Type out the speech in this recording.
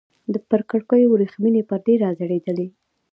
پر کړکيو ورېښمينې پردې راځړېدلې.